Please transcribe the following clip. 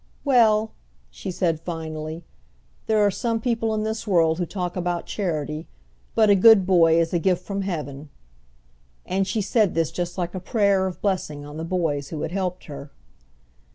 "Well," she said finally, "There are some people in this world who talk about charity, but a good boy is a gift from heaven," and she said this just like a prayer of blessing on the boys who had helped her.